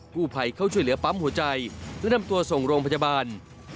ผู้ภัยเข้าช่วยเหลือปั๊มหัวใจและนำตัวส่งโรงพยาบาล